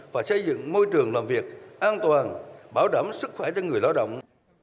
và xây dựng môi trường làm việc an toàn bảo đảm sức khỏe cho người lao động